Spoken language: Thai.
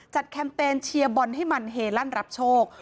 แคมเปญเชียร์บอลให้มันเฮลั่นรับโชค